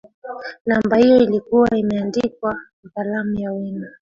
namba hiyo ilikuwa imeandikwa kwa kalamu ya wino